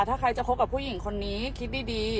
ถ้าใครจะคบกับผู้หญิงคนนี้คิดดี